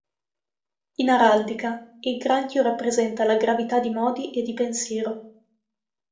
In araldica, il granchio rappresenta la gravità di modi e di pensiero.